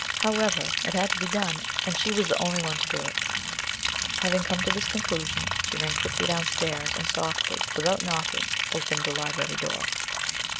However, it had to be done, and she was the only one to do it. Having come to this conclusion, she ran quickly downstairs, and softly, without knocking, opened the library door.